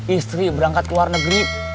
istri berangkat ke luar negeri